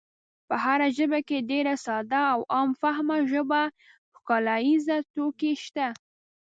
په هره ژبه کې ډېر ساده او عام فهمه ژب ښکلاییز توکي شته.